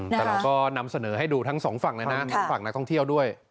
แต่เราก็นำเสนอให้ดูทั้งสองฝั่งเลยนะทั้งฝั่งนักท่องเที่ยวด้วย